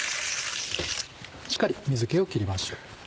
しっかり水気を切りましょう。